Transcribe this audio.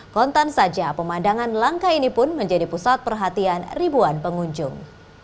kontan saja pemandangan langka ini pun menjadi pusat perhatian ribuan pengunjung